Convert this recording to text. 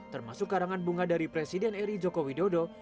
termasuk karangan bunga dari presiden eri joko widodo